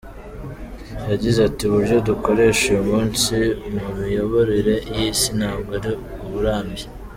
Yagize ati “Uburyo dukoresha uyu munsi mu miyoborere y’Isi ntabwo ari uburambye.